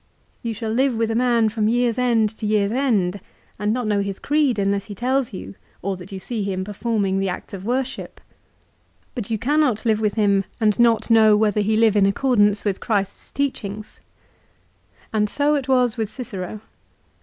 You shall live with a man from year's end to year's end and shall not know his creed unless he tell you, or that you see him performing the acts of his worship. But you 1 De Finibus, lib. v. ca. xxiii. 398 LIFE OF CICERO. cannot live with him, and not know whether he live in accordance with Christ's teaching. And so it was with Cicero.